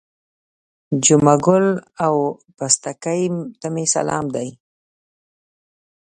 جمعه ګل او پستکي ته مې سلام دی.